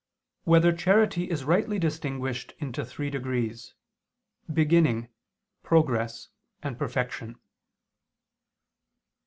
9] Whether Charity Is Rightly Distinguished into Three Degrees, Beginning, Progress, and Perfection?